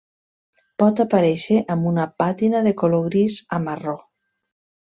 Pot aparèixer amb una pàtina de color gris a marró.